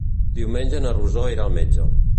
Diumenge na Rosó irà al metge.